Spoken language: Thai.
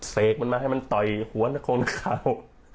เสกมันมาให้มันต่อยหัวโครงขาว